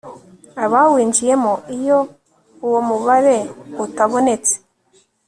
abawinjiyemo iyo uwo mubare utabonetse